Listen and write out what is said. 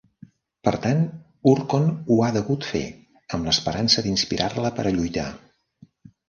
Per tant, Urkonn ho ha degut fer, amb l'esperança d'inspirar-la per a lluitar.